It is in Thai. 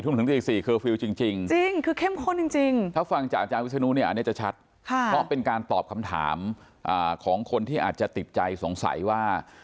ถึงตี๔เคอร์ฟิลล์จริงคือเข้มข้นจริงถ้าฟังจากอาจารย์วิศนุเนี่ยอันนี้จะชัดเพราะเป็นการตอบคำถามของคนที่อาจจะติดใจสงสัยว่า